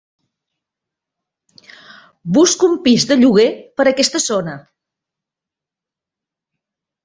Busco un pis de lloguer per aquesta zona.